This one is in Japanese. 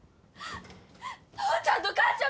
父ちゃんと母ちゃんも。